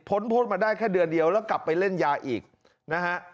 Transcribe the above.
โทษมาได้แค่เดือนเดียวแล้วกลับไปเล่นยาอีกนะฮะ